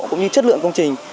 cũng như chất lượng công trình